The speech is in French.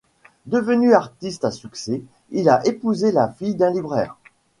Devenu artiste à succès, il a épousé la fille d'un libraire.